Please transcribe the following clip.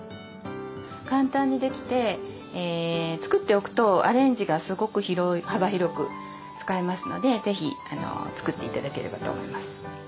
簡単にできて作っておくとアレンジがすごく幅広く使えますので是非作って頂ければと思います。